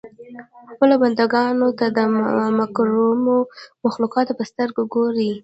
خپلو بنده ګانو ته د مکرمو مخلوقاتو په سترګه ګوري.